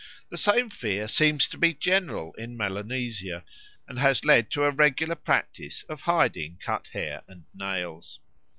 The same fear seems to be general in Melanesia, and has led to a regular practice of hiding cut hair and nails.